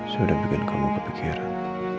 sudah bikin kamu kepikiran